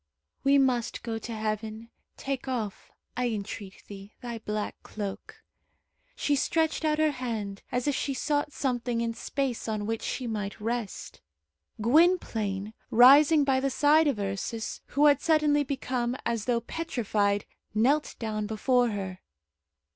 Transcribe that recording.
"We must go to heaven. Take off, I entreat thee, Thy black cloak." She stretched out her hand, as if she sought something in space on which she might rest. Gwynplaine, rising by the side of Ursus, who had suddenly become as though petrified, knelt down before her.